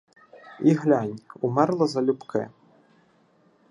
І глянь! умерла залюбки...